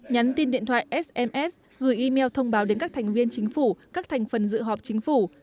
nhắn tin điện thoại sms gửi email thông báo đến các thành viên chính phủ các thành phần dự họp chính phủ